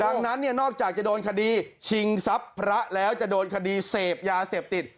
ดังนั้นเนี่ยนอกจากจะโดนคดีชิงทรัพย์พระแล้วจะโดนคดีเสพยาเสพติด